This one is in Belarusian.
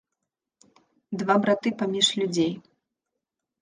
Два браты паміж людзей.